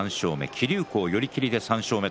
木竜皇、寄り切りで３勝目。